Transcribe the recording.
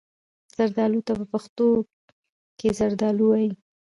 زردالو ته په پښتو کې زردالو وايي.